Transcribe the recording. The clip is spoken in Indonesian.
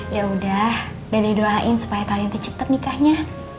ya udah dede doain supaya kalian terciptet nikahnya